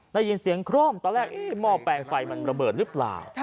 ได้ยินเสียงคร่อมตอนแรกหม้อแปลงไฟมันระเบิดหรือเปล่า